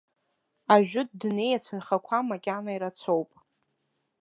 Ажәытә дунеи ацәынхақәа макьана ирацәоуп.